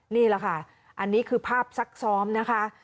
นี่แหละค่ะอันนี้คือภาพซักซ้อมนะคะ